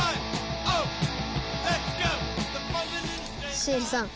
シエリさん